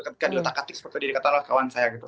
ketika diletakkan seperti dikatakan oleh kawan saya gitu